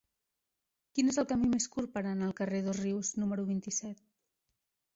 Quin és el camí més curt per anar al carrer de Dosrius número vint-i-set?